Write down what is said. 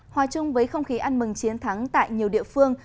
hòa chung với không khí ăn mừng chiến thắng tại nhiều địa phương